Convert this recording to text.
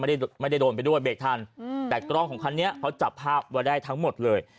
ไม่ได้ไม่ได้โดนไปด้วยเบรกทันอืมแต่กล้องของคันนี้เขาจับภาพไว้ได้ทั้งหมดเลย